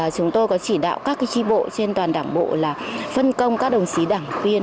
chúng tôi có chỉ đạo các tri bộ trên toàn đảng bộ là phân công các đồng chí đảng viên